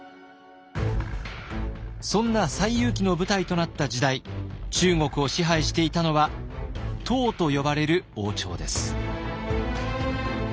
そんな「西遊記」の舞台となった時代中国を支配していたのは唐と呼ばれる王朝です。